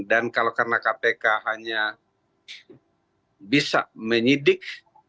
dan kalau karena kpk hanya bisa menyidik